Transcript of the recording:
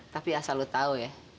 tapi asal lo tau ya